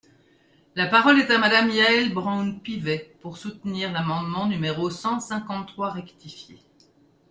La parole est à Madame Yaël Braun-Pivet, pour soutenir l’amendement numéro cent cinquante-trois rectifié.